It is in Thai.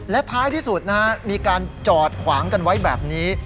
และท้ายที่สุดนะฮะมีการจอดขวางกันไว้แบบนี้